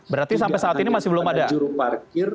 berarti sampai saat ini masih belum ada